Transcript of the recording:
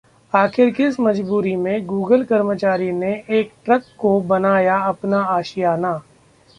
आखिर किस मजबूरी में Google कर्मचारी ने एक ट्रक को बनाया अपना आशियाना!